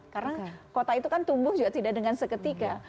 karena kota itu kan tumbuh juga tidak dengan seketika